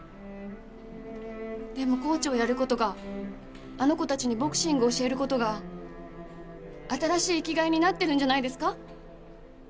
でもコーチをやる事があの子たちにボクシング教える事が新しい生きがいになってるんじゃないですか？